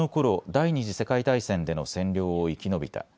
第２次世界大戦での占領を生き延びた。